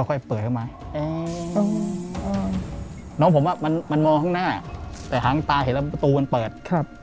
ก็ค่อยเปิดเข้ามาน้องผมอะมันมองครั้งหน้าแต่ทางตาเจอก็เห็นว่าประตูมันเปิด